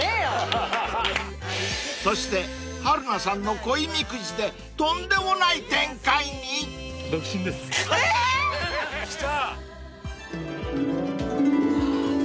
［そして春菜さんの恋みくじでとんでもない展開に！？］え！？きた。